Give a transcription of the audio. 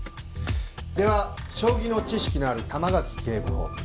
では将棋の知識のある玉垣警部補お願いします。